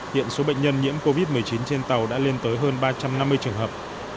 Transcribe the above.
hiện số bệnh nhân nhiễm covid một mươi chín trên tàu đã lên tới hơn ba trăm năm mươi trường hợp